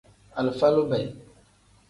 Alifa lube.